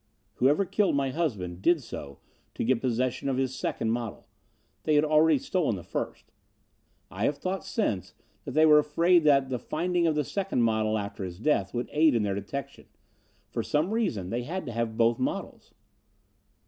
"Whoever killed my husband did so to get possession of his second model. They had already stolen the first. I have thought since that they were afraid that the finding of the second model after his death would aid in their detection. For some reason they had to have both models."